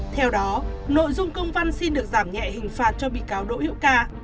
theo đó nội dung công văn xin được giảm nhẹ hình phạt cho bị cáo đỗ hữu ca